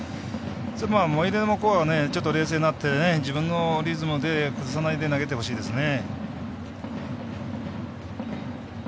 モイネロもここは冷静になって自分のリズムで崩さないで投げてほしいですね。